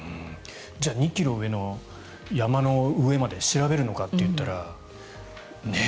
じゃあ２ｋｍ上の山の上まで調べるのかっていったらねえ。